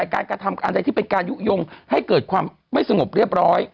การกระทำอะไรที่เป็นการยุโยงให้เกิดความไม่สงบเรียบร้อย